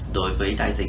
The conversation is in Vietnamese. để giúp đỡ các bạn